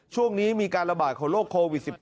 ช่วงนี้มีการระบาดของโรคโควิด๑๙